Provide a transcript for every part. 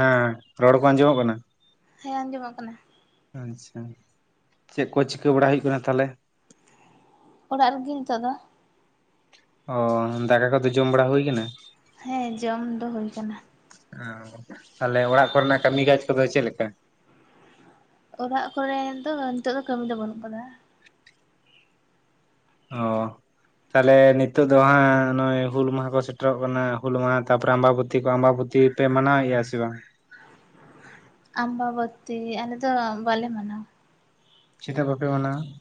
ᱦᱮᱸᱻ, ᱨᱚᱲ ᱠᱚ, ᱟᱸᱡᱚᱢᱚᱜ ᱠᱟᱱᱟ ᱾ ᱦᱮᱸᱻ, ᱟᱸᱡᱚᱢᱚᱜ ᱠᱟᱱᱟ ᱾ ᱟᱪᱪᱷᱟ, ᱪᱮᱫ ᱠᱚ ᱪᱤᱠᱟᱹ ᱵᱟᱲᱟ ᱦᱩᱭᱩᱜ ᱠᱟᱱᱟ? ᱛᱟᱦᱚᱞᱮ ᱾ ᱚᱲᱟᱜ ᱨᱮᱜᱮ, ᱱᱤᱛᱚᱜ ᱫᱚ ᱾ ᱚᱼ, ᱫᱟᱠᱟ ᱠᱚᱫᱚ, ᱡᱚᱢ ᱵᱟᱲᱟ, ᱦᱩᱭ ᱟᱠᱟᱱᱟ ᱾ ᱦᱮᱸ, ᱡᱚᱢ ᱫᱚ, ᱦᱩᱭ ᱟᱠᱟᱱᱟ ᱾ ᱚᱻ, ᱛᱟᱦᱚᱞᱮ, ᱚᱲᱟᱜ ᱠᱚᱨᱮᱱᱟᱜ, ᱠᱟᱹᱢᱤ ᱠᱟᱡᱽ ᱠᱚᱫᱚ, ᱪᱮᱫ ᱞᱮᱠᱟ? ᱚᱲᱟᱜ ᱠᱚᱨᱮ ᱫᱚ, ᱱᱤᱛᱚᱜ ᱫᱚ, ᱠᱟᱹᱢᱤ ᱫᱚ, ᱵᱟᱹᱱᱩᱜ ᱟᱠᱟᱫᱟ ᱾ ᱚᱻᱦ ᱾ ᱛᱟᱦᱚᱞᱮ, ᱱᱤᱛᱳᱜ ᱫᱚ ᱦᱟᱸᱜ, ᱱᱚᱜᱼᱚᱭ ᱦᱩᱞ ᱢᱟᱦᱟ ᱠᱚ, ᱥᱮᱴᱮᱨᱚᱜ ᱠᱟᱱᱟ ᱾ ᱦᱩᱞ ᱢᱟᱦᱟ, ᱛᱟᱯᱚᱨᱮ ᱟᱢᱵᱟᱵᱚᱛᱤ ᱠᱚ, ᱟᱢᱵᱟ ᱵᱚᱛᱤ ᱯᱮ ᱢᱟᱱᱟᱣ ᱮᱭᱟ ᱥᱮ, ᱵᱟᱝ? ᱟᱢᱵᱟ ᱵᱚᱛᱤ, ᱟᱞᱮ ᱫᱚ, ᱵᱟᱞᱮ ᱢᱟᱱᱟᱣᱟ ᱾ ᱪᱮᱫᱟᱜ? ᱵᱟᱯᱮ ᱢᱟᱱᱟᱣᱼᱟ ᱾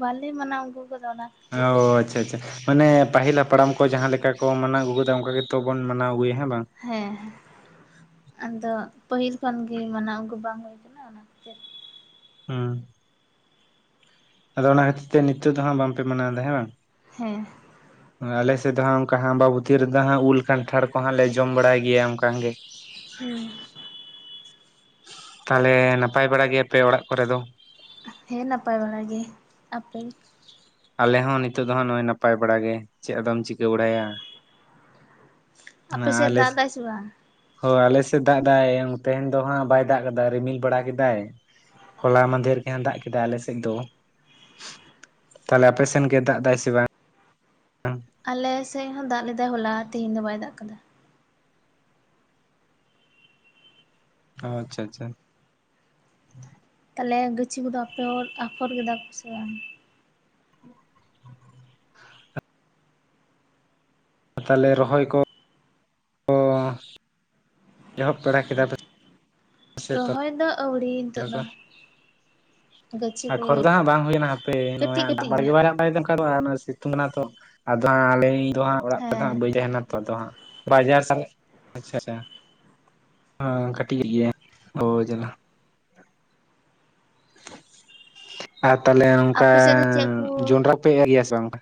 ᱵᱟᱞᱮ ᱢᱟᱱᱟᱣ, ᱟᱹᱜᱩ ᱟᱠᱟᱫᱟ, ᱚᱱᱟ ᱠᱷᱟᱹᱛᱤᱨ ᱚᱻ ᱟᱪᱪᱷᱟ, ᱟᱪᱪᱷᱟ ᱾ ᱢᱟᱱᱮ, ᱯᱟᱹᱦᱤᱞ ᱦᱟᱯᱲᱟᱢ ᱠᱚ, ᱡᱟᱦᱟᱸ ᱞᱮᱠᱟ ᱠᱚ, ᱢᱟᱱᱟᱣ ᱟᱹᱜᱩ ᱟᱠᱟᱫᱟ ᱾ ᱚᱱᱠᱟ ᱜᱮᱛᱚ ᱵᱚᱱ, ᱢᱟᱱᱟᱣ ᱟᱹᱜᱩ ᱮᱭᱟᱜ ᱦᱮᱸ, ᱵᱟᱝ? ᱦᱮᱸᱻ, ᱟᱫᱚ, ᱯᱟᱹᱦᱤᱞ ᱠᱷᱚᱱ ᱜᱮ, ᱢᱟᱱᱟᱣ ᱟᱹᱜᱩ ᱵᱟᱝ ᱦᱩᱭ ᱟᱠᱟᱱᱟ ᱾ ᱚᱱᱟ ᱠᱷᱟᱹᱛᱤᱨ ᱦᱮᱸᱻ᱾ ᱟᱫᱚ, ᱚᱱᱟ ᱠᱷᱟᱹᱛᱤᱨ ᱛᱮ, ᱱᱤᱛᱚᱜ ᱫᱚ ᱦᱟᱸᱜ, ᱵᱟᱝ ᱯᱮ ᱢᱟᱱᱟᱣ ᱮᱫᱟ, ᱦᱮᱸ ᱵᱟᱝ? ᱦᱮᱸ ᱟᱞᱮ ᱥᱮᱫ ᱫᱚ ᱦᱟᱸᱜ, ᱚᱱᱠᱟ ᱟᱢᱵᱟ ᱵᱷᱩᱛᱤ ᱨᱮ-ᱫᱚ ᱦᱟᱸᱜ ᱩᱞ ᱠᱟᱱᱴᱷᱽᱟᱲ ᱠᱚᱦᱟᱸᱜ ᱞᱮ ᱡᱚᱢ ᱵᱟᱲᱟᱭ ᱜᱮᱭᱟ᱾ ᱚᱱᱠᱟ ᱜᱮ ᱦᱩᱸ ᱛᱟᱦᱞᱮ ᱱᱟᱯᱟᱭ ᱵᱟᱲᱟ ᱜᱮᱭᱟᱯᱮ ᱚᱲᱟᱜ ᱠᱚᱨᱮ ᱫᱚ? ᱦᱮᱸ ᱱᱟᱯᱟᱭ ᱵᱟᱲᱟ ᱜᱮ᱾ ᱟᱯᱮ? ᱟᱞᱮ ᱦᱚᱸ ᱱᱤᱛᱚᱜ ᱫᱚ ᱦᱟᱸᱜ ᱱᱚᱜᱼᱚᱭ ᱱᱟᱯᱟᱭ ᱵᱟᱲᱟ ᱜᱮ ᱾ ᱪᱮᱫ ᱟᱫᱚᱢ ᱪᱤᱠᱟᱹ ᱵᱟᱲᱟᱭᱟ᱾ ᱱᱟ ᱟᱯᱮ ᱥᱮᱫ ᱟᱞᱮ ᱫᱟᱜ ᱮᱫᱟᱭ ᱥᱮ ᱵᱟᱝ ᱦᱳ ᱟᱞᱮᱥᱮᱫ ᱫᱟᱜ ᱫᱟᱭ ᱛᱮᱦᱮᱧ ᱫᱚ ᱦᱟᱸᱜ᱾ ᱵᱟᱭ ᱫᱟᱜ ᱠᱮᱫᱟ ᱨᱤᱢᱤᱞ ᱵᱟᱲᱟ ᱠᱮᱫᱟᱭ᱾ ᱦᱚᱞᱟ ᱢᱟᱫᱷᱽᱮᱨ ᱜᱮ ᱦᱟᱸᱜ ᱫᱟᱜ ᱠᱮᱫᱟ ᱟᱞᱮᱥᱮᱫ ᱫᱚ᱾ ᱛᱟᱦᱚᱞᱮ ᱟᱯᱮ ᱥᱮᱱ ᱜᱮ, ᱫᱟᱜ ᱮᱫᱟᱭ ᱥᱮ ᱵᱟᱝ? ᱟᱞᱮᱥᱮᱫ ᱦᱚᱸ ᱫᱟᱜ ᱞᱮᱫᱟᱭ ᱦᱚᱞᱟ᱾ ᱛᱮᱦᱮᱧ ᱫᱚ ᱵᱟᱭ ᱫᱟᱜ ᱟᱠᱟᱫᱟ᱾ ᱟᱪᱪᱷᱟ, ᱟᱪᱪᱷᱟ ᱛᱟᱦᱚᱞᱮ ᱜᱟᱹᱪᱷᱤ ᱠᱚᱼᱫᱚ ᱟᱯᱮ ᱦᱚᱲ ᱟᱯᱷᱚᱨ ᱠᱮᱫᱟ ᱠᱚ ᱥᱮ ᱵᱟᱝ? [unintelligible] ᱛᱟᱦᱚᱞᱮ ᱨᱚᱦᱚᱭ ᱠᱚ᱾ ᱵᱟ [unintelligible] ᱮᱦᱚᱵ ᱯᱮᱲᱟ ᱠᱮᱫᱟ ᱯᱮ ᱾ ᱨᱚᱦᱚᱭ ᱫᱚ ᱟᱹᱣᱲᱤ ᱱᱤᱛᱚᱜ ᱠᱚ ᱫᱚ ᱾ ᱟᱨ ᱠᱷᱚᱨᱫᱟ ᱦᱟᱸᱜ ᱵᱟᱝ ᱦᱩᱭᱮᱱᱟ᱾ ᱦᱟᱯᱮ ᱱᱚᱜ -ᱚᱭ ᱠᱟᱹᱴᱤᱡ ᱦᱟᱸᱜ ᱠᱟᱹᱴᱤᱡ ᱱᱟᱢᱵᱟᱨ ᱜᱮ ᱜᱮᱭᱟ ᱵᱟᱭ ᱧᱟᱢ ᱟᱱ ᱫᱚ ᱥᱤᱛᱩᱝ ᱮᱱᱟ ᱛᱚ᱾ ᱟᱫᱚ ᱦᱟᱸᱜ ᱟᱞᱧ ᱫᱚ ᱦᱟᱸᱜ ᱚᱲᱟᱜ ᱠᱚᱨᱮ ᱦᱟᱸᱜ ᱦᱮᱸ ᱵᱟᱹᱧ ᱛᱟᱦᱮᱱᱟ᱾ ᱛᱚ ᱟᱫᱚ ᱦᱟᱸᱜ ᱵᱟᱡᱟᱨ ᱥᱞᱟᱜ [unintelligible] ᱟᱪᱪᱷᱟ, ᱟᱪᱪᱷᱟ ᱠᱟᱹᱴᱤᱡ ᱜᱮᱭᱟ ᱚ ᱡᱟᱞᱟ᱾ ᱟᱨ ᱛᱟᱦᱚᱞᱮ ᱱᱚᱝᱠᱟ᱾ ᱟᱯᱮ ᱥᱮᱫ ᱫᱚ ᱪᱮᱫ ᱠᱚ ᱡᱚᱱᱰᱨᱟ ᱯᱮ ᱮ ᱜᱮᱭᱟ ᱥᱮ, ᱵᱟᱝᱠᱟ?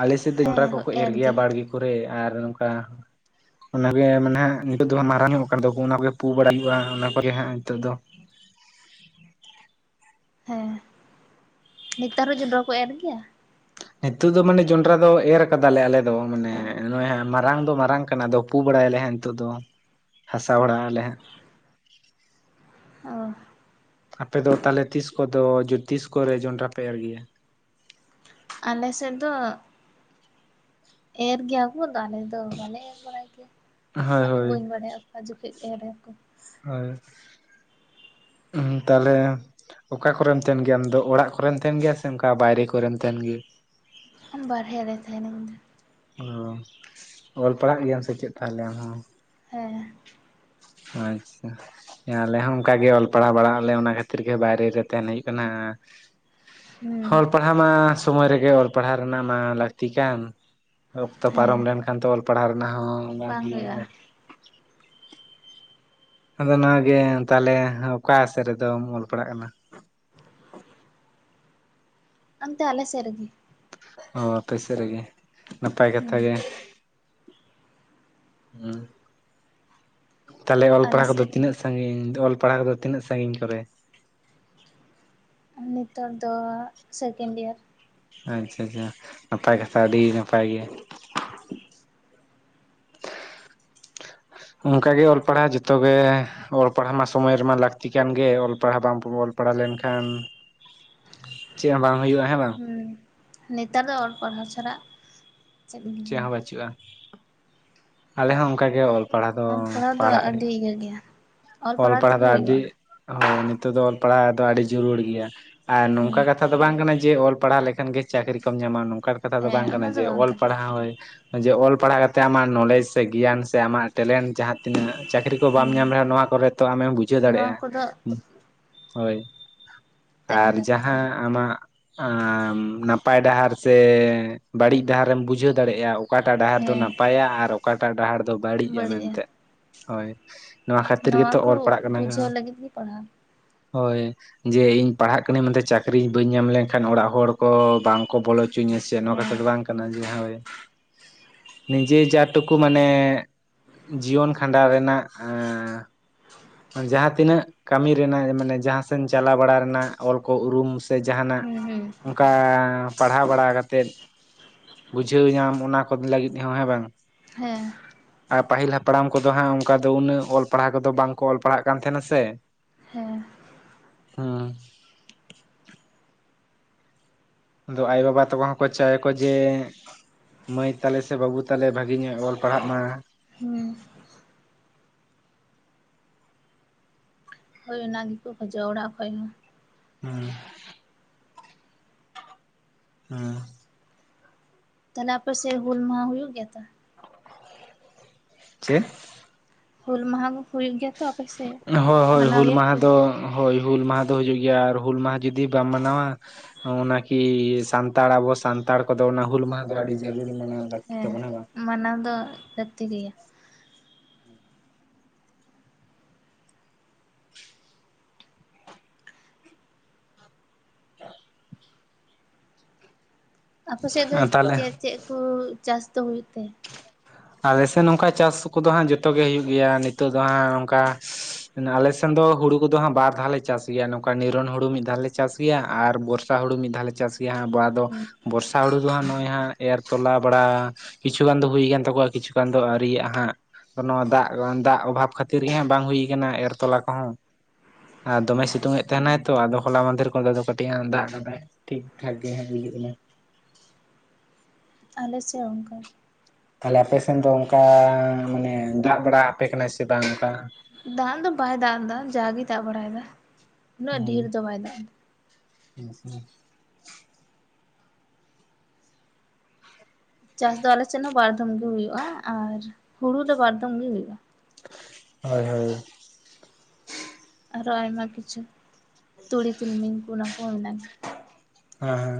ᱟᱞᱮ ᱥᱮᱫ ᱫᱚ ᱡᱚᱱᱰᱨᱟ ᱦᱮᱸ ᱠᱚᱼᱠᱚ ᱮᱨ ᱜᱮᱭᱟ ᱜᱮ ᱵᱟᱲᱜᱮ ᱠᱚᱨᱮ ᱟᱨ ᱱᱚᱝᱠᱟ᱾ ᱚᱱᱟᱜᱮ ᱢᱟᱱᱮ ᱦᱜ ᱱᱤᱛᱚᱜ ᱫᱚ ᱢᱟᱨᱟᱝ ᱧᱚᱜ ᱠᱟᱱ᱾ ᱛᱟᱠᱚ ᱚᱱᱟ ᱠᱚᱮ ᱯᱩ ᱵᱟᱲᱟᱭ ᱦᱩᱭᱩᱜᱼᱟ᱾ ᱚᱱᱟ ᱠᱚᱜᱮ ᱦᱜ ᱱᱤᱛᱚᱜ ᱫᱚ᱾ ᱦᱮᱸ ᱱᱮᱛᱟᱨ ᱦᱚᱸ ᱡᱚᱸᱰᱨᱟ ᱠᱚ ᱮᱨ ᱜᱮᱭᱟ᱾ ᱱᱤᱛᱳᱜ ᱫᱚ ᱢᱟᱱᱮ ᱡᱚᱸᱰᱨᱟ ᱫᱚ ᱮᱨ ᱠᱟᱫᱟᱞᱮ ᱟᱞᱮ ᱫᱚ᱾ ᱢᱟᱱᱮ ᱱᱚᱜᱚᱭ ᱢᱟᱨᱟᱝ ᱫᱚ ᱢᱟᱨᱟᱝ ᱠᱟᱱᱟ᱾ ᱫᱚ ᱩ ᱵᱟᱲᱟᱭᱟᱞᱮ ᱦᱜ ᱱᱤᱛᱚᱜ ᱫᱚ᱾ ᱦᱟᱥᱟ ᱵᱟᱲᱟᱭ ᱟᱞᱮ ᱦᱜ᱾ ᱚ ᱟᱯᱮᱫ ᱫᱚ ᱛᱟᱦᱚᱞᱮ ᱛᱤᱥ ᱠᱚᱼᱫᱚ ᱛᱤᱥ ᱠᱚᱨᱮ ᱡᱚᱱᱽᱰᱨᱟ ᱯᱮ ᱮᱨ ᱜᱮᱭᱟ᱾ ᱟᱞ ᱥᱮᱫ ᱫᱚ ᱮᱨ ᱜᱮᱭᱟ ᱵᱚ ᱫᱚ ᱾ ᱟᱞᱮ ᱫᱚ ᱵᱟᱞᱮ ᱮᱨ ᱵᱟᱲᱟᱭ ᱜᱮᱭᱟ᱾ ᱦᱳᱭ ᱟᱫᱚ ᱦᱳᱭ ᱵᱟᱹᱧ ᱵᱟᱲᱟᱭᱟ᱾ ᱚᱠᱟ ᱡᱚᱠᱷᱮᱡ ᱮᱨ ᱟᱠᱚ ᱦᱳᱭ ᱛᱟᱦᱮ ᱚᱠᱟ ᱠᱚᱨᱮᱢ ᱛᱟᱦᱮᱱ ᱜᱮᱭᱟ᱾ ᱟᱢᱫᱚ ᱚᱲᱟᱜ ᱠᱚᱨᱮᱢ ᱛᱟᱦᱮᱱ ᱜᱮᱭᱟ᱾ ᱥᱮ ᱚᱱᱠᱟ ᱵᱟᱭᱨᱮ ᱠᱚᱨᱮᱢ ᱛᱟᱦᱮᱱ ᱜᱮ᱾ ᱵᱟᱮᱨᱭᱟ ᱟ ᱛᱟᱦᱮᱱᱟ᱾ ᱚ ᱚᱞ ᱯᱟᱲᱦᱟ-ᱜ ᱜᱮᱭᱟᱢ ᱥᱮ ᱾ ᱪᱮᱫ ᱛᱟᱦᱚᱞᱮ ᱟᱢ ᱦᱚᱸ᱾ ᱦᱮᱸ ᱟᱪᱪᱷᱟ ᱟᱞᱮ ᱦᱚᱸ ᱚᱱᱠᱟᱜᱮ ᱚᱞ ᱯᱟᱲᱦᱟᱣ ᱵᱟᱲᱟᱜ ᱟᱞᱮ ᱚᱱᱟ ᱠᱷᱟᱹᱛᱤᱨ ᱜᱮ, ᱵᱟᱭᱨᱮ ᱨᱮ ᱛᱟᱦᱮᱱ ᱦᱩᱭᱩᱜ ᱠᱟᱱᱟ᱾ ᱦᱩᱸ ᱚᱞ ᱯᱟᱲᱦᱽᱟᱣ ᱢᱟ᱾ ᱥᱚᱢᱚᱭ ᱨᱮᱜᱮ ᱚᱞ ᱯᱟᱲᱦᱟᱣ ᱨᱮᱱᱟᱜ ᱢᱟ᱾ ᱞᱟᱹᱠᱛᱤ ᱠᱟᱱ ᱚᱠᱛᱚ ᱦᱮᱸ ᱯᱟᱨᱚᱢ ᱞᱮᱱᱠᱷᱟᱱ ᱛᱚ ᱚᱞ ᱯᱟᱲᱦᱟᱣ ᱨᱮᱱᱟᱜ ᱦᱚᱸ ᱵᱟᱝ ᱦᱩᱭᱩᱜ ᱟᱫᱚ ᱚᱱᱟᱜᱮ ᱛᱟᱦᱚᱞᱮ᱾ ᱚᱠᱟ ᱥᱮᱫ ᱨᱮᱫᱚᱢ ᱚᱞ ᱯᱟᱲᱦᱟ-ᱜ ᱠᱟᱱᱟ᱾ ᱚᱱᱛᱮ ᱟᱞ ᱥᱮᱛᱨᱮᱜᱮ᱾ ᱚ ᱟᱯᱮ ᱥᱮᱫ ᱨᱮᱜᱮ᱾ ᱱᱟᱯᱟᱭ ᱠᱟᱛᱷᱟ ᱦᱩᱸ ᱜᱮ᱾ ᱦᱮᱸ ᱛᱟᱞᱦᱮ ᱚᱞ ᱟᱞᱮ ᱯᱟᱲᱦᱟᱣ ᱠᱚᱫᱚ ᱥᱮᱫ ᱨᱮᱜᱮ ᱛᱤᱱᱟᱹᱜ ᱥᱟᱺᱜᱤᱧ? ᱚᱞ ᱯᱟᱲᱦᱟᱣ ᱠᱚᱫᱚ ᱛᱤᱱᱟᱹᱜ ᱥᱟᱺᱜᱤᱧ ᱠᱚᱨᱮ? ᱱᱤᱛᱚᱜ ᱫᱚ ᱥᱮᱠᱮᱱᱰ ᱤᱭᱟᱨ᱾ ᱟᱪᱪᱷᱟᱼᱪᱷᱟ ᱱᱟᱯᱟᱭ ᱠᱟᱛᱷᱟ, ᱟᱹᱰᱤ ᱱᱟᱯᱟᱭ ᱜᱮ᱾ ᱚᱱᱠᱟ ᱜᱮ ᱚᱞ ᱯᱟᱲᱦᱟᱣ ᱡᱷᱚᱛᱚ ᱜᱮ ᱚᱞ ᱯᱟᱲᱦᱟᱣ ᱢᱟ ᱥᱚᱢᱚᱭ ᱨᱮᱢᱟ ᱞᱟᱹᱠᱛᱤ ᱠᱟᱱ ᱜᱮ, ᱚᱞ ᱯᱟᱲᱦᱟᱣ ᱵᱟᱢ ᱚᱞ ᱯᱟᱲᱦᱟᱣ ᱞᱮᱱᱠᱷᱟᱱ ᱪᱮᱜ ᱦᱚᱸ ᱵᱟᱝ ᱦᱩᱭᱩᱜᱼᱟ, ᱦᱮᱸ ᱵᱟᱝ᱾ ᱦᱩᱸ ᱱᱮᱛᱟᱨ ᱫᱚ ᱚᱞ ᱯᱟᱲᱦᱟᱣ ᱪᱷᱟᱨᱟ ᱪᱮᱜ ᱦᱚᱸ ᱵᱟᱹᱪᱩᱜᱼᱟ, ᱟᱞᱮ ᱦᱚᱸ ᱚᱱᱠᱟ ᱜᱮ ᱚᱞ ᱯᱟᱲᱦᱟᱣ ᱫᱚ ᱚᱞ ᱯᱟᱲᱦᱟᱣ ᱫᱚ ᱯᱟᱲᱦᱟᱜ ᱟᱹᱰᱤ ᱤᱭᱟᱹ ᱜᱮᱭᱟ᱾ ᱚᱞ ᱯᱟᱲᱦᱟᱣ ᱫᱚ ᱟᱹᱰᱤ ᱦᱳᱭ ᱱᱤᱛᱚᱜ ᱫᱚ ᱚᱞ ᱯᱟᱲᱦᱟᱣ ᱫᱚ ᱟᱹᱰᱤ ᱡᱟᱹᱨᱩᱲ ᱜᱮᱭᱟ, ᱟᱨ ᱱᱚᱝᱠᱟ ᱠᱟ ᱦᱩᱸ ᱠᱟᱛᱷᱟ ᱫᱚ ᱵᱟᱝ ᱠᱟᱱᱟ ᱡᱮ ᱚᱞ ᱱᱚᱝᱠᱟᱱ ᱟᱫᱚ ᱵᱟᱝ ᱠᱟᱱᱟ ᱡᱮ ᱯᱟᱲᱦᱟᱣ ᱞᱮᱠᱷᱟᱱ ᱜᱮ ᱪᱟᱹᱠᱨᱤ ᱠᱚᱢ ᱧᱟᱢᱟ, ᱱᱚᱝᱠᱟᱱ ᱠᱟᱛᱷᱟ ᱫᱚ ᱦᱮᱸ ᱵᱟᱝ ᱚᱱᱟ ᱠᱟᱱᱟ ᱫᱚ ᱡᱮ ᱵᱟᱝ ᱚᱞ ᱠᱟᱱᱟ ᱯᱟᱲᱦᱟᱣ ᱦᱳᱭ ᱡᱮ ᱚᱞ ᱯᱟᱲᱦᱟᱣ ᱠᱟᱛᱮ ᱟᱢᱟᱜ ᱱᱚᱞᱮᱡ ᱥᱮ ᱜᱮᱭᱟᱱ ᱥᱮ ᱟᱢᱟᱜ ᱴᱮᱞᱮᱱᱴ ᱡᱟᱦᱟᱸ ᱛᱤᱱᱟᱹᱜ ᱪᱟᱹᱠᱨᱤ ᱠᱚ ᱵᱟᱢ ᱦᱩᱸ ᱧᱟᱢ ᱨᱮᱦᱚᱸ ᱱᱚᱶᱟ ᱠᱚᱨᱮ ᱛᱚ ᱟᱢᱮᱢ ᱵᱩᱡᱷᱟᱹᱣ ᱱᱚᱣᱟ ᱫᱟᱲᱮᱭᱟᱜᱼᱟ᱾ ᱠᱚᱫᱚ ᱦᱳᱭ, ᱛᱟᱦᱮᱱ ᱟᱨ ᱞᱟᱹᱠᱛᱤ ᱡᱟᱦᱟᱸ ᱟᱢᱟᱜ ᱟᱸᱻ ᱱᱟᱯᱟᱭ ᱰᱟᱦᱟᱨ ᱥᱮ ᱵᱟᱹᱲᱤᱡ ᱰᱟᱦᱟᱨᱮᱢ ᱵᱩᱡᱷᱟᱹᱣ ᱫᱟᱲᱮᱭᱟᱜᱼᱟ᱾ ᱚᱠᱟᱴᱟᱜ ᱰᱟᱦᱟᱨ ᱫᱚ ᱦᱮᱸ ᱱᱟᱯᱟᱭᱟ ᱟᱨ ᱚᱠᱟᱴᱟᱜ ᱰᱟᱦᱟᱨ ᱫᱚ ᱵᱟᱹᱲᱤᱡᱼᱟ ᱢᱮᱱᱛᱮ᱾ ᱦᱳᱭ ᱱᱚᱶᱟ ᱱᱚᱣᱟ ᱠᱚ ᱵᱩᱡᱷᱟᱹᱣ ᱞᱟᱹᱜᱤᱫ ᱜᱮ ᱯᱟᱲᱦᱟᱣ᱾ ᱦᱳᱭ᱾ ᱡᱮ ᱤᱧ ᱯᱟᱲᱦᱟᱜ ᱠᱟᱹᱱᱟᱹᱧ ᱢᱮᱱᱛᱮ ᱪᱟᱹᱠᱨᱤ ᱵᱟᱹᱧ ᱧᱟᱢ ᱞᱮᱱᱠᱷᱟᱱ, ᱚᱲᱟᱜ ᱦᱚᱲ ᱠᱚ ᱵᱟᱝ ᱠᱚ ᱵᱚᱞᱚ ᱦᱚᱪᱚᱧᱟ ᱥᱮ ᱱᱚᱣᱟ ᱠᱟᱛᱷᱟ ᱦᱮᱸ ᱫᱚ ᱵᱟᱝ ᱠᱟᱱᱟ ᱡᱮ ᱦᱳᱭ᱾ [inaudible] ᱱᱤᱡᱮ ᱡᱟ ᱴᱩᱠᱩ ᱢᱟᱱᱮ ᱡᱤᱭᱚᱱ ᱠᱷᱟᱸᱰᱟᱣ ᱨᱮᱱᱟᱜ ᱟᱸᱻ ᱡᱟᱦᱟᱸ ᱛᱤᱱᱟᱹᱜ ᱠᱟᱹᱢᱤ ᱨᱮᱱᱟᱜ, ᱢᱟᱱᱮ ᱡᱟᱦᱟᱸᱥᱮᱱ ᱪᱟᱞᱟᱣ ᱵᱟᱲᱟ ᱨᱮᱱᱟᱜ ᱚᱞ ᱠᱚ ᱩᱨᱩᱢ ᱥᱮ ᱡᱟᱦᱟᱱᱟᱜ ᱦᱩᱸ ᱦᱩᱸ ᱚᱱᱠᱟ ᱯᱟᱲᱦᱟᱣ ᱵᱟᱲᱟ ᱠᱟᱛᱮᱫ ᱵᱩᱡᱷᱟᱹᱣ ᱧᱟᱢ, ᱚᱱᱟ ᱠᱚ ᱞᱟᱹᱜᱤᱫ ᱦᱚᱸ ᱦᱮᱸ ᱵᱟᱝ? ᱦᱮᱸ᱾ ᱟᱨ ᱯᱟᱹᱦᱤᱞ ᱦᱟᱯᱲᱟᱢ ᱠᱚᱫᱚ ᱦᱟᱸᱜ ᱚᱱᱠᱟ ᱫᱚ ᱩᱱᱟᱹᱜ ᱚᱞ ᱯᱟᱲᱦᱟᱣ ᱠᱚ ᱫᱚ ᱵᱟᱝ ᱠᱚ ᱚᱞ ᱯᱟᱲᱦᱟᱜ ᱠᱟᱱ ᱛᱟᱦᱮᱱᱟ ᱥᱮ᱾ ᱦᱮᱸ᱾ ᱦᱩᱸ᱾ ᱟᱫᱚ ᱟᱭᱳ-ᱵᱟᱵᱟ ᱛᱟᱠᱚ ᱦᱚᱸᱠᱚ ᱪᱟᱭᱼᱟᱠᱚ ᱡᱮ ᱢᱟᱹᱭ ᱛᱟᱞᱮ ᱥᱮ ᱵᱟᱹᱵᱩ ᱛᱟᱞᱮ ᱵᱷᱟᱹᱜᱤ ᱧᱚᱜᱼᱮ ᱚᱞ ᱯᱟᱲᱦᱟᱜ ᱢᱟ᱾ ᱦᱩᱸ᱾ ᱦᱳᱭ ᱚᱱᱟ ᱜᱮᱠᱚ ᱠᱷᱚᱡᱚᱜᱼᱟ, ᱚᱲᱟᱜ ᱠᱷᱚᱡ ᱦᱚᱸ᱾ ᱦᱩᱸ᱾ ᱦᱩᱸ᱾ ᱛᱟᱦᱚᱞᱮ ᱟᱯᱮ ᱥᱮᱫ ᱦᱩᱞᱢᱟᱦᱟ ᱦᱩᱭᱩᱜ ᱜᱮᱭᱟ ᱛᱚ? [inaudible] ᱪᱮᱫ? ᱦᱩᱞᱢᱟᱦᱟ ᱠᱚ ᱦᱩᱭᱩᱜ ᱜᱮᱭᱟ? ᱛᱚ ᱟᱯᱮ ᱥᱮᱫ ᱚ ᱦᱳᱭ ᱦᱳᱭ ᱢᱟᱱᱟᱣ ᱦᱩᱞ ᱜᱮᱭᱟ ᱢᱟᱦᱟ ᱠᱚ ᱫᱚ ᱦᱳᱭ ᱦᱩᱞᱢᱟᱦᱟ ᱫᱚ ᱦᱩᱭᱩᱜ ᱜᱮᱭᱟ ᱟᱨ ᱦᱩᱞᱢᱟᱦᱟ ᱡᱩᱫᱤ ᱵᱟᱢ ᱢᱟᱱᱟᱣᱟ ᱚᱱᱟ ᱠᱤ ᱥᱟᱱᱛᱟᱲ ᱟᱵᱚ ᱥᱟᱱᱛᱟᱲ ᱠᱚᱫᱚ ᱚᱱᱟ ᱦᱩᱞᱢᱟᱦᱟ ᱫᱚ ᱟᱹᱰᱤ ᱡᱟᱹᱨᱩᱲ ᱢᱮᱱᱟᱜᱼᱟ, ᱞᱟᱹᱠᱛᱤ ᱛᱟᱵᱚᱱᱟ ᱦᱮᱸ ᱵᱟᱝ᱾ ᱢᱟᱱᱟᱣ ᱫᱚ ᱞᱟᱹᱠᱛᱤ ᱜᱮᱭᱟ ᱾ [inaudible] ᱟᱯᱮ ᱥᱮᱡ ᱫᱚ ᱛᱟᱦᱚᱞᱮ ᱪᱮᱫ ᱪᱮᱫ ᱠᱚ ᱪᱟᱥ ᱫᱚ ᱦᱩᱭᱩᱜ ᱛᱮ? ᱟᱞᱮ ᱥᱮᱫ ᱱᱚᱝᱠᱟ ᱪᱟᱥ ᱠᱚᱫᱚ ᱦᱟᱸᱜ ᱡᱚᱛᱚ ᱜᱮ ᱦᱩᱭᱩᱜ ᱜᱮᱭᱟ, ᱱᱤᱛᱳᱜ ᱫᱚ ᱦᱟᱸᱜ ᱚᱝᱠᱟ ᱟᱞᱮ ᱥᱮᱱ ᱫᱚ ᱦᱩᱲᱩ ᱠᱚᱫᱚ ᱦᱟᱸᱜ ᱵᱟᱨ ᱫᱷᱟᱣ ᱞᱮ ᱪᱟᱥ ᱜᱮᱭᱟ ᱱᱚᱝᱠᱟ ᱱᱤᱨᱚᱱ ᱦᱩᱲᱩ ᱢᱤᱫ ᱫᱷᱟᱣ ᱞᱮ ᱪᱟᱥ ᱜᱮᱭᱟ ᱟᱨ ᱵᱚᱨᱥᱟ ᱦᱩᱲᱩ ᱢᱤᱫ ᱫᱷᱟᱣᱞ ᱞᱮ ᱪᱟᱥ ᱜᱮᱭᱟ ᱦᱟᱸᱜ ᱟᱵ ᱫᱚ ᱵᱚᱨᱥᱟ ᱦᱩᱲᱩ ᱫᱚᱦᱟᱸᱜ ᱱᱚᱜᱼᱚᱭ ᱦᱟᱸᱜ ᱮᱨ ᱛᱚᱞᱟ ᱵᱟᱲᱟ᱾ ᱠᱤᱪᱷᱩ ᱜᱟᱱ ᱫᱚ ᱦᱩᱭ ᱠᱟᱱ ᱛᱟᱠᱚᱣᱟ ᱠᱤᱪᱷᱩ ᱜᱟᱱ ᱫᱚ ᱟᱹᱣᱨᱤᱭᱟᱜ ᱦᱟᱸᱜ᱾ ᱱᱚᱣᱟ ᱫᱟᱜ ᱫᱟᱜ ᱚᱵᱷᱟᱵᱽ ᱠᱷᱟᱹᱛᱤᱨ ᱜᱮ ᱦᱟᱸᱜ ᱵᱟᱝ ᱦᱩᱭ ᱠᱟᱱᱟ ᱮᱨ ᱛᱚᱞᱟ ᱠᱚᱦᱚᱸ᱾ ᱟᱨ ᱫᱚᱢᱮ ᱥᱤᱛᱩᱝ ᱮᱫ ᱛᱟᱦᱮᱱᱟᱭ ᱛᱚ ᱟᱫᱚ ᱦᱚᱞᱟ ᱢᱟᱫᱷᱮᱨ ᱠᱚ ᱫᱚ ᱠᱟᱹᱴᱤᱡ ᱫᱟᱜ ᱠᱟᱫᱟᱭ ᱾ ᱴᱷᱤᱠ ᱴᱷᱟᱠ ᱜᱮ ᱦᱟᱸᱜ ᱵᱩᱡᱩᱜ ᱠᱟᱱᱟ᱾ ᱟᱞᱮ ᱥᱮ ᱚᱱᱠᱟ ᱛᱟᱦᱚᱞᱮ ᱟᱞᱮᱥᱮᱱ ᱫᱚ ᱚᱱᱠᱟ ᱢᱟᱱᱮ ᱫᱟᱜ ᱵᱟᱲᱟ ᱟᱯᱮ ᱠᱟᱱᱟᱭ ᱥᱮ ᱵᱟᱝ ᱚᱱᱠᱟ? ᱫᱟᱜ ᱫᱚ ᱵᱟᱭ ᱫᱟᱜ ᱮᱫᱟ ᱡᱟᱜᱮᱭ ᱫᱟᱜ ᱵᱟᱲᱟᱭᱮᱫᱟ ᱩᱱᱟᱹᱜ ᱦᱩᱸ ᱰᱷᱮᱨ ᱫᱚ ᱵᱟᱭ ᱫᱟᱜ ᱮᱫᱟ᱾ [inaudible] ᱪᱟᱥ ᱫᱚ ᱟᱞᱮ‌ ᱥᱮᱱ ᱦᱚᱸ ᱵᱟᱹᱲ ᱵᱟᱨ ᱫᱚᱢ ᱜᱮ ᱦᱩᱭᱩᱜᱼᱟ ᱟᱨ ᱦᱩᱲᱩ ᱫᱚ ᱵᱟᱨᱫᱚᱢ ᱜᱮ ᱦᱩᱭᱩᱜᱼᱟ᱾ ᱦᱳᱭ ᱦᱳᱭ, ᱟᱨᱚ ᱟᱭᱢᱟ ᱠᱤᱪᱷᱩ ᱛᱩᱲᱤ, ᱛᱤᱞᱢᱤᱧ ᱠᱚ ᱚᱱᱟ ᱠᱚᱦᱚᱸ ᱢᱮᱱᱟᱜ ᱜᱮᱭᱟ ᱾ ᱦᱮᱸ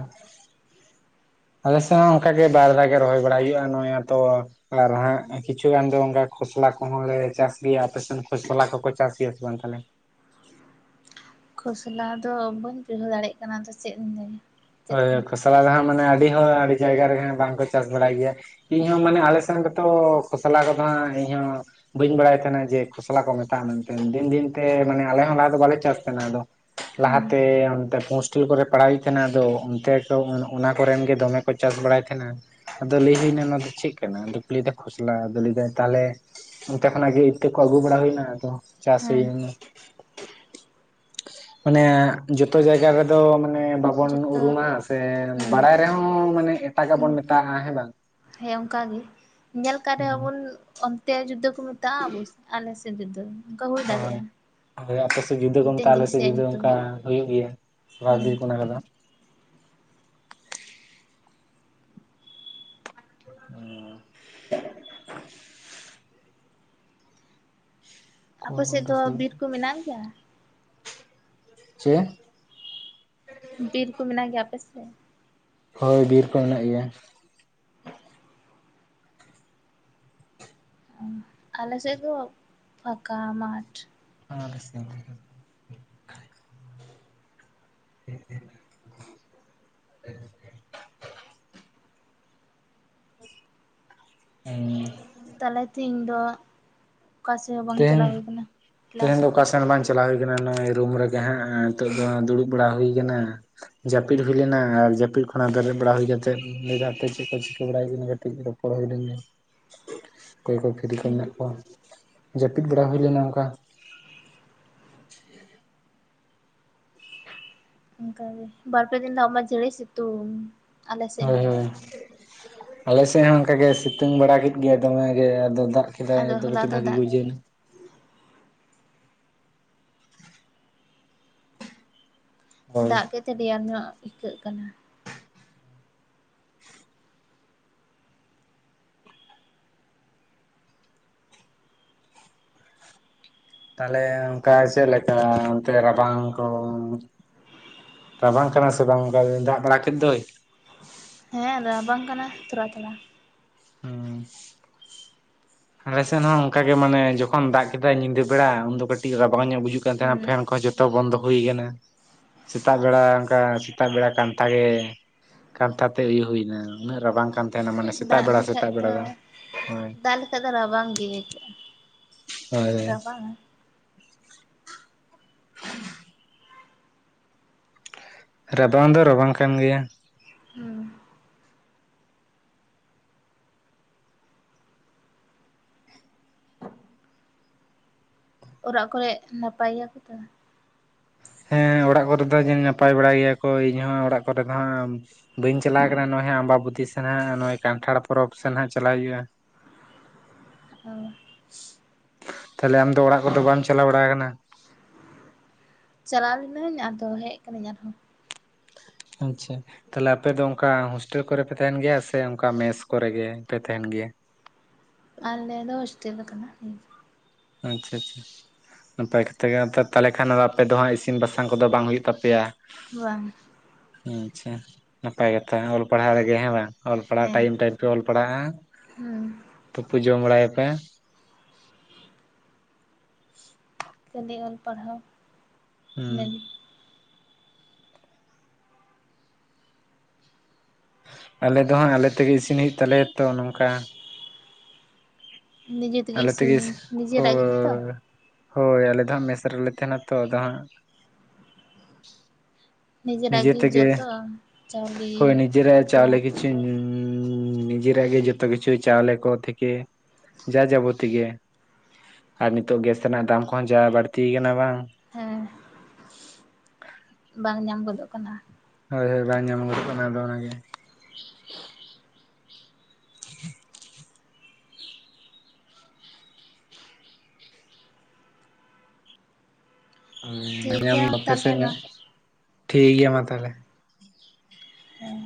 ᱾ ᱟᱞᱮᱥᱮᱫ ᱦᱚᱸ ᱚᱱᱠᱟ ᱜᱮ ᱵᱟᱨ ᱫᱟᱜᱮ ᱨᱚᱦᱚᱭ ᱵᱟᱲᱟᱭ ᱦᱩᱭᱩᱜᱼᱟ ᱱᱚᱭ ᱟᱛᱚ᱾ ᱟᱨ ᱦᱟᱸᱜ ᱠᱤᱪᱷᱩ ᱜᱟᱱ ᱫᱚ ᱚᱱᱠᱟ ᱠᱷᱚᱥᱞᱟ ᱠᱚᱦᱚᱸ ᱪᱟᱥ ᱜᱮᱭᱟ, ᱟᱯᱮᱥᱮᱱ ᱠᱷᱚᱥᱚᱞᱟ ᱠᱚᱠᱚ ᱪᱟᱥ ᱜᱮᱭᱟ ᱥᱮ ᱵᱟᱝ ᱛᱟᱦᱚᱞᱮ? ᱠᱷᱚᱥᱞᱟ ᱫᱚ ᱵᱟᱹᱧ ᱵᱩᱡᱷᱟᱹᱣ ᱫᱟᱲᱮᱭᱟᱜ ᱠᱟᱱᱟ ᱫᱚ ᱪᱮᱫ ᱤᱧ ᱞᱟᱹᱭᱟ᱾ ᱪᱮᱫ ᱳᱭ ᱠᱚ ᱢᱮᱛᱟᱜ ᱠᱷᱚᱥᱞᱟ ᱫᱚ ᱦᱟᱸᱜ ᱢᱟᱱᱮ ᱟᱹᱰᱤ ᱦᱚᱸ ᱟᱹᱰᱤ ᱡᱟᱭᱜᱟ ᱨᱮᱜ ᱵᱟᱝ ᱠᱚ ᱪᱟᱥ ᱵᱟᱲᱟᱭ ᱜᱮᱭᱟ᱾ ᱤᱧ ᱦᱚᱸ ᱢᱟᱱᱮ ᱟᱞᱮ ᱥᱮᱱ ᱜᱮᱛᱚ ᱠᱷᱚᱥᱚᱞᱟ ᱠᱚᱫᱚ ᱦᱟᱜ ᱤᱧ ᱦᱚᱸ ᱵᱟᱹᱧ ᱵᱟᱲᱟᱭ ᱛᱟᱦᱮᱱᱟ ᱡᱮ ᱠᱷᱚᱥᱞᱟ ᱠᱚ ᱢᱮᱛᱟᱜᱼᱟ ᱢᱮᱱᱛᱮ ᱫᱤᱱ ᱫᱤᱱᱛᱮ ᱢᱟᱱᱮ ᱟᱞᱮ ᱦᱚᱸ ᱞᱟᱦᱟ ᱫᱚ ᱵᱟᱞᱮ ᱪᱟᱥ ᱛᱟᱦᱮᱱᱟ ᱟᱫᱚ ᱦᱮᱸ ᱞᱟᱦᱟᱛᱮ ᱚᱱᱛᱮ ᱦᱳᱥᱴᱮᱞ ᱠᱚᱨᱮ ᱯᱟᱲᱦᱟᱣᱮᱫ ᱛᱟᱦᱮᱱᱟ᱾ ᱫᱚ ᱚᱱᱛᱮ ᱛᱚ ᱚᱱᱟ ᱠᱚᱨᱮᱱ ᱜᱮ ᱫᱚᱢᱮ ᱠᱚ ᱪᱟᱥ ᱵᱟᱲᱟᱭ ᱛᱟᱦᱮᱱᱟ ᱾ ᱟᱫᱚ ᱞᱟᱹᱭ ᱦᱩᱭᱱᱟ ᱱᱚᱣᱟ ᱫᱚ ᱪᱮᱫ ᱠᱟᱱᱟ? ᱟᱫᱚ ᱠᱚ ᱞᱟᱹᱭᱫᱟ ᱠᱷᱚᱥᱞᱟ ᱟᱫᱚ ᱞᱟᱹᱭᱼᱫᱟᱭ ᱛᱟᱦᱚᱞᱮ ᱚᱱᱛᱮ ᱠᱷᱚᱱᱼᱟᱜ ᱜᱮ ᱤᱛᱟᱹ ᱠᱚ ᱟᱹᱜᱩ ᱵᱟᱲᱟ ᱦᱩᱭᱱᱟ ᱟᱫᱚ ᱪᱟᱥ ᱦᱮᱸ ᱦᱩᱭᱱᱟ ᱾ ᱢᱟᱱᱮ ᱡᱚᱛᱚ ᱡᱟᱭᱜᱟ ᱨᱮ ᱫᱚ ᱢᱟᱱᱮ ᱵᱟᱝ ᱵᱚᱱ ᱡᱚᱛᱚ ᱩᱨᱩᱢᱟ ᱥᱮ ᱦᱩᱸ ᱵᱟᱲᱟᱭ ᱨᱮᱦᱚᱸᱢ ᱢᱟᱱᱮ ᱮᱴᱟᱜᱟᱜ ᱵᱚᱱ ᱢᱮᱛᱟᱜᱼᱟ ᱦᱮᱸ ᱵᱟᱝ‌ ᱾ ᱦᱮᱸ ᱚᱱᱠᱟ ᱜᱮ ᱧᱮᱞ ᱠᱟᱜ ᱨᱮᱦᱚᱸ ᱦᱩᱸ ᱵᱩᱱ ᱾ ᱚᱱᱛᱮ ᱡᱩᱫᱟᱹ ᱠᱚ ᱢᱮᱛᱟᱜᱼᱟ ᱟᱵᱩ ᱟᱞᱮ ᱥᱮᱫ ᱡᱩᱫᱟᱹ ᱚᱱᱠᱟ ᱦᱩᱭ ᱦᱳᱭ ᱫᱟᱲᱮᱭᱟᱜᱼᱟ ᱾ ᱦᱳᱭ ᱟᱯᱮ ᱥᱮᱫ ᱡᱩᱫᱟᱹ ᱠᱚ ᱢᱮᱛᱟᱜᱼᱟ ᱟᱞᱮ ᱥᱮ ᱡᱩᱫᱟᱹ ᱧᱩᱛᱩᱢ ᱚᱱᱠᱟ ᱦᱩᱭᱩᱜ ᱜᱮᱭᱟ ᱦᱩᱸ ᱥᱟᱵᱷᱤᱠ ᱚᱱᱟ ᱠᱚᱫᱚ ᱾ [inaudible] ᱟᱯᱮ ᱥᱮᱫ ᱠᱚᱫᱚ ᱫᱚ ᱵᱤᱨ ᱠᱩ ᱢᱮᱱᱟᱜ ᱜᱮᱭᱟ ᱾ ᱪᱮᱫ? ᱵᱤᱨ ᱠᱩ ᱢᱮᱱᱟᱜ ᱜᱮᱭᱟ ᱟᱯᱮ ᱥᱮᱫ? ᱦᱳᱭ ᱵᱤᱨ ᱠᱚ ᱢᱮᱱᱟᱜ ᱜᱮᱭᱟ ᱾ ᱟᱞᱮ ᱥᱮᱫ ᱫᱚ ᱯᱷᱟᱠᱟ ᱢᱟᱴᱷ ᱾ ᱟ ᱟᱥᱮ ᱥᱮᱫ ᱦᱚᱸ ᱾ [inaudible] ᱦᱮᱸ [inaudible] ᱛᱟᱞᱟᱛᱮ ᱤᱧ ᱫᱚ ᱚᱠᱟ ᱥᱮᱫ ᱦᱚᱸ ᱵᱟᱝ ᱪᱟᱞᱟᱣ ᱛᱮᱦᱮᱧ ᱦᱩᱭ ᱟᱠᱟᱱᱟ ᱠᱞᱟᱥ ᱛᱮᱦᱮᱧ ᱫᱚ ᱠᱩ‌᱾ ᱚᱠᱟ ᱥᱮᱱ ᱵᱟᱝ ᱪᱟᱞᱟᱣ ᱦᱩᱭ ᱠᱟᱱᱟ ᱱᱚᱜᱼᱚᱭ ᱨᱩᱢ ᱨᱮ ᱜᱮ ᱦᱟᱸᱜ ᱱᱤᱛᱚᱜ ᱫᱚ ᱫᱩᱲᱩᱵ ᱵᱟᱲᱟ ᱦᱩᱭ ᱠᱟᱱᱟ ᱾ ᱡᱟᱯᱤᱫ ᱦᱩᱭ ᱞᱮᱱᱟ ᱟᱨ ᱡᱟᱹᱯᱤᱫ ᱠᱷᱚᱱᱟᱜ ᱵᱮᱨᱮᱫ ᱵᱟᱲᱟ ᱦᱩᱭ ᱠᱟᱛᱮᱫ [unintelligible] ᱪᱮᱫ ᱠᱚ ᱪᱤᱠᱟᱹ ᱵᱟᱲᱟᱭ ᱦᱩᱭ ᱠᱟᱱᱟ ᱠᱟᱹᱴᱤᱡ ᱫᱚ ᱠᱚᱲᱟᱟᱣ ᱜᱤᱫᱟᱹᱨᱟᱹ ᱚᱠᱚᱭ ᱠᱚ ᱯᱷᱤᱨᱨᱤ ᱠᱚ ᱦᱩᱸ ᱢᱮᱱᱟᱜ ᱠᱚᱣᱟ ᱾ ᱡᱟᱹᱯᱤᱫ ᱵᱟᱲᱟ ᱦᱩᱭ ᱞᱮᱱᱟ ᱚᱱᱠᱟ ᱚᱱᱠᱟᱜᱮ, ᱵᱟᱨᱯᱮ ᱫᱤᱱ ᱫᱟ ᱢᱟ ᱡᱷᱟᱲᱮ ᱥᱤᱛᱩᱝ᱾ ᱟᱞᱮ ᱥᱮᱫ ᱢᱟ ᱦᱳᱭ ᱦᱳᱭ, ᱟᱞᱮ ᱥᱮᱫ ᱦᱚᱸ ᱚᱱᱠᱟ ᱜᱮ ᱥᱤᱛᱩᱝ ᱵᱟᱲᱟ ᱠᱮᱫ ᱜᱮ ᱫᱚᱢᱮ ᱜᱮ ᱟᱫᱚ ᱫᱟᱜ ᱠᱮᱫᱟᱭ ᱟᱫᱚ ᱦᱚᱞᱟ ᱠᱟᱴᱤᱡ ᱫᱚ ᱵᱷᱟᱜᱤ ᱜᱮ ᱫᱟᱜ ᱵᱩᱡᱷᱟᱹᱣᱮᱱᱟ᱾ ᱦᱳᱭ ᱫᱟᱜ ᱠᱮᱫᱛᱮ ᱨᱮᱭᱟᱨ ᱧᱚᱜ ᱟᱹᱭᱠᱟᱹᱜ ᱠᱟᱱᱟ᱾ ᱛᱟᱦᱚᱞᱮ ᱚᱱᱠᱟ ᱪᱮᱫᱞᱮᱠᱟ, ᱚᱱᱛᱮ ᱨᱟᱵᱟᱝ ᱠᱚ? ᱨᱟᱵᱟᱝ ᱠᱟᱱᱟ ᱥᱮ ᱵᱟᱝ? ᱚᱱᱠᱟ ᱫᱟᱜ ᱵᱟᱲᱟ ᱠᱮᱫ ᱫᱚᱭ᱾ ᱦᱮᱸ, ᱨᱟᱵᱟᱝ ᱠᱟᱱᱟ ᱛᱷᱚᱨᱟ ᱛᱷᱚᱲᱟ᱾ [inaudible] ᱟᱞᱮ ᱥᱮᱱ ᱦᱚᱸ ᱚᱱᱠᱟ ᱜᱮ ᱢᱟᱱᱮ ᱡᱚᱠᱷᱚᱱ ᱫᱟᱜ ᱠᱮᱫᱟᱭ ᱧᱤᱫᱟᱹ ᱵᱮᱲᱟ ᱩᱱᱫᱚ ᱠᱟᱹᱴᱤᱡ ᱨᱟᱵᱟᱝ ᱧᱚᱜ ᱵᱩᱡᱩ ᱦᱩᱸ [unintelligible] ᱯᱷᱮᱱ ᱠᱚ ᱡᱚᱛᱚ ᱵᱚᱱᱫᱚ ᱦᱩᱭ ᱟᱠᱟᱱᱟ᱾ ᱥᱮᱛᱟᱜ ᱵᱮᱲᱟ ᱚᱱᱠᱟ ᱥᱮᱛᱟᱜ ᱵᱮᱲᱟ ᱠᱟᱱᱛᱷᱟᱜᱮ ᱠᱟᱱᱛᱷᱟ ᱛᱮ ᱩᱭᱩ ᱦᱩᱭᱱᱟ ᱩᱱᱟᱹᱜ ᱨᱟᱵᱟᱝ ᱠᱟᱱ ᱛᱟᱦᱮᱱᱟ ᱢᱟᱱᱮ ᱥᱮᱛᱟᱜ ᱫᱟᱜ ᱵᱮᱲᱟ ᱞᱮᱠᱷᱟᱡ ᱥᱮᱛᱟᱜ ᱵᱮᱲᱟ ᱫᱚ᱾ ᱦᱳᱭ [unintelligible] ᱨᱟᱵᱟᱝ ᱜᱤ ᱟᱹᱭᱠᱟᱹᱜ ᱦᱳᱭ ᱨᱟᱵᱟᱝᱼᱟ᱾ ᱨᱟᱵᱟᱝ ᱫᱚ ᱨᱟᱵᱟᱝ ᱠᱟᱱ ᱜᱮᱭᱟ᱾ ᱦᱩᱸ᱾ ᱚᱨᱟᱜ ᱠᱚᱨᱮᱜ ᱱᱟᱯᱟᱭ ᱜᱮᱭᱟᱠᱚ ᱛᱚ? ᱦᱮᱸ, ᱚᱲᱟᱜ ᱠᱚᱨᱮ ᱫᱚ ᱡᱟ ᱱᱟᱯᱟᱭ ᱵᱟᱲᱟ ᱜᱮᱭᱟ ᱠᱚ ᱤᱧ ᱦᱚᱸ ᱚᱲᱟᱜ ᱠᱚᱨᱮ ᱫᱚ ᱦᱟᱸᱜ ᱵᱟᱹᱧ ᱪᱟᱞᱟᱣ ᱠᱟᱱᱟ ᱱᱚᱜᱼᱚᱭ ᱟᱢᱵᱟᱵᱩᱛᱤ ᱥᱮᱱ ᱦᱟᱸᱜ ᱱᱚᱜᱼᱚᱭ ᱠᱟᱱᱴᱷᱟᱲ ᱯᱚᱨᱚᱵᱽ ᱥᱮᱱ ᱦᱟᱜ ᱪᱟᱞᱟᱜ ᱦᱩᱭᱩᱜᱼᱟ᱾ ᱦᱳᱭ᱾ ᱛᱟᱦᱚᱞᱮ ᱟᱢᱫᱚ ᱚᱲᱟᱜ ᱠᱚ ᱫᱚ ᱵᱟᱢ ᱪᱟᱞᱟᱣ ᱵᱟᱲᱟ ᱟᱠᱟᱱᱟ? ᱪᱟᱞᱟᱣ ᱞᱤᱱᱟᱹᱧ ᱟᱫᱚ ᱦᱮᱡ ᱠᱟᱹᱱᱟᱹᱧ ᱟᱨᱦᱚᱸ᱾ ᱟᱪᱪᱷᱟ᱾ ᱛᱟᱦᱚᱞᱮ ᱟᱯᱮ ᱫᱚ ᱚᱱᱠᱟ ᱦᱳᱥᱴᱮᱞ ᱠᱚᱨᱮ ᱯᱮ ᱛᱟᱦᱮᱱ ᱜᱮᱭᱟ ᱥᱮ ᱚᱱᱠᱟ ᱢᱮᱥ ᱠᱚᱨᱮ ᱜᱮ ᱯᱮ ᱛᱟᱦᱮᱱ ᱜᱮᱭᱟ? ᱟᱞᱮ ᱫᱚ ᱦᱚᱥᱴᱮᱞ [unintelligible] ᱟᱪᱪᱷᱟ ᱟᱪᱪᱷᱟ᱾ ᱱᱟᱯᱟᱭ ᱠᱟᱛᱷᱟ ᱜᱮ, ᱛᱟᱦᱚᱞᱮ ᱠᱷᱟᱱ ᱟᱯᱮ ᱫᱚ ᱦᱟᱸᱜ ᱤᱥᱤᱱ ᱵᱟᱥᱟᱝ ᱠᱚᱫᱚ ᱵᱟᱝ ᱦᱩᱭᱩᱜ ᱛᱟᱯᱮᱭᱟ? ᱵᱟᱝ᱾ ᱟᱪᱪᱷᱟ, ᱱᱟᱯᱟᱭ ᱠᱟᱛᱷᱟ ᱚᱞ ᱯᱟᱲᱦᱟᱣ ᱨᱮᱜᱮ ᱦᱮᱸ ᱵᱟᱝ? ᱚᱞ ᱯᱟᱲᱦᱟᱣ ᱦᱮᱸ ᱴᱟᱭᱤᱢ ᱴᱟᱭᱤᱢ ᱚᱞ ᱯᱟᱲᱟᱜ ᱦᱩᱸ ᱛᱩᱯᱩ ᱡᱚᱢ ᱵᱟᱲᱟᱭᱟᱯᱮ [unintelligible] ᱚᱞ ᱯᱟᱲᱦᱟᱣ ᱦᱩᱸ᱾ ᱟᱞᱮ ᱫᱚ ᱦᱟᱸᱜ ᱟᱞᱮ ᱛᱮᱜᱮ ᱤᱥᱤᱱ ᱦᱩᱭᱩᱜ ᱛᱟᱞᱮᱭᱟ ᱛᱚ ᱱᱚᱝᱠᱟ ᱱᱤᱡᱮ ᱛᱮᱜᱮ ᱟᱞᱮ ᱤᱥᱤᱱ ᱛᱮᱜᱤᱥ ᱱᱤᱡᱮᱨᱟᱜ ᱜᱮ ᱡᱚᱛᱚ ᱦᱳᱭ ᱦᱳᱭ ᱟᱞᱮ ᱫᱚ ᱦᱟᱸᱜ ᱢᱮᱥ ᱨᱮᱞᱮ ᱛᱟᱦᱮᱱᱟ ᱛᱚ ᱟᱫᱚ ᱦᱟᱸᱜ ᱱᱤᱡᱮᱨᱟᱜ ᱱᱤᱡᱮ ᱜᱮ ᱛᱮᱜᱮ, ᱡᱚᱛᱚ ᱪᱟᱣᱞᱮ ᱦᱳᱭ ᱩᱛᱩ ᱱᱤᱡᱮᱨᱟᱜ ᱪᱟᱣᱞᱮ ᱛᱮᱭᱟᱜ ᱠᱤᱪᱷᱩᱧ ᱱᱤᱡᱮᱨᱟᱜ ᱜᱮ ᱡᱚᱛᱚ ᱠᱤᱪᱷᱩ, ᱪᱟᱣᱞᱮ ᱠᱚ ᱛᱷᱮᱠᱮ ᱡᱟ ᱡᱟᱵᱚᱛᱤ ᱜᱮ ᱾ ᱟᱨ ᱱᱤᱛᱚᱜ ᱜᱮᱥ ᱨᱮᱱᱟᱜ ᱫᱟᱢ ᱠᱚᱦᱚᱸ ᱡᱟ ᱵᱟᱹᱲᱛᱤ ᱠᱟᱱᱟ ᱵᱟᱝ ᱦᱮᱸ᱾ ᱵᱟᱝ ᱧᱟᱢ ᱜᱚᱫᱚᱜ ᱠᱟᱱᱟ ᱾ ᱦᱳᱭ ᱦᱳᱭ ᱵᱟᱝ ᱧᱟᱢ ᱜᱚᱫᱚᱜ ᱠᱟᱱᱟ ᱟᱫᱚ ᱚᱱᱟᱜᱮ ᱴᱷᱤᱠ ᱧᱟᱢ ᱜᱮᱭᱟ ᱫᱟᱯᱮᱥᱮ ᱛᱟᱦᱚᱞᱮ ᱢᱟ ᱧᱚᱜ ᱴᱷᱤᱠ ᱜᱮᱭᱟ ᱢᱟ ᱛᱟᱦᱞᱮ᱾ ᱦᱮᱸ